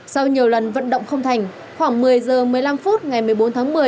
sau nhiều lần vận động không thành khoảng một mươi h một mươi năm phút ngày một mươi bốn tháng một mươi